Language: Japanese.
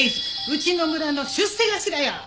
うちの村の出世頭や！